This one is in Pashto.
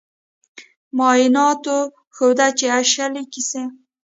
معایناتو ښوده چې د اشلي کیسه